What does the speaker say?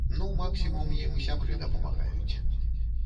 Ну, максімум, ім сябры дапамагаюць.